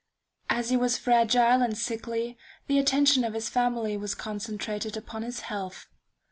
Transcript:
As he was fragile and sickly, the attention of his family was concentrated upon his health.